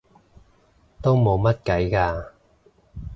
都冇計嘅